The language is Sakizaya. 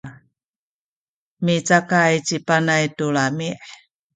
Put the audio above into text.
micakay ci Panay tu lami’.